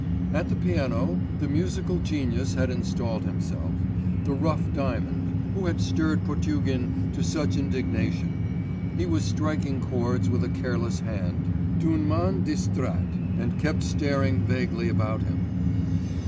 At the piano, the musical genius had installed himself, the rough diamond, who had stirred Potugin to such indignation; he was striking chords with a careless hand, d'une main distraite, and kept staring vaguely about him.